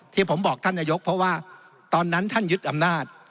ที่ผมบอกท่านนายกเพราะว่าตอนนั้นท่านยึดอำนาจ